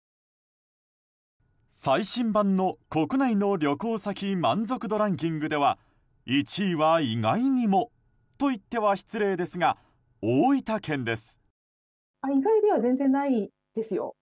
最新版の国内の旅行先満足度ランキングでは１位は意外にもと言っては失礼ですが大分県です。